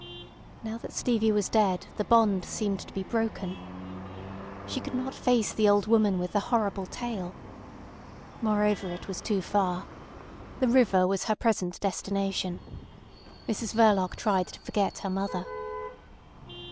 Now that Stevie was dead the bond seemed to be broken. She could not face the old woman with the horrible tale. Moreover, it was too far. The river was her present destination. Mrs Verloc tried to forget her mother.